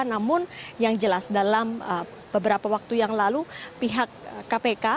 namun yang jelas dalam beberapa waktu yang lalu pihak kpk